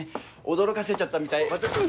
驚かせちゃったみたい。